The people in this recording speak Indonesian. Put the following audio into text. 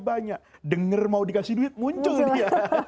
banyak dengar mau dikasih duit muncul dia